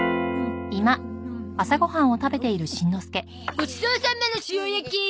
ごちそうサンマの塩焼き！